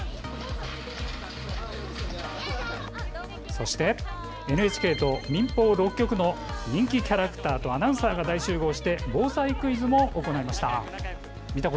そしてＮＨＫと民放６局の人気キャラクターとアナウンサーが大集合して防災クイズも行いました。